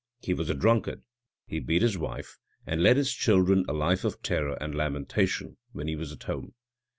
He was a drunkard. He beat his wife, and led his children a life of terror and lamentation, when he was at home.